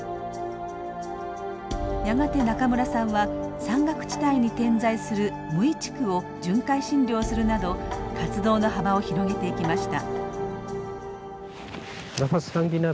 やがて中村さんは山岳地帯に点在する無医地区を巡回診療するなど活動の幅を広げていきました。